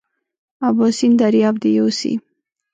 اباسین دریاب دې یوسي.